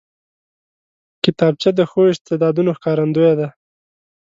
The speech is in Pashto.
کتابچه د ښو استعداد ښکارندوی ده